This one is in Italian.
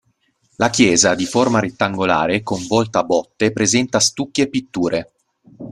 La chiesa, di forma rettangolare, con volta a botte, presenta stucchi e pitture.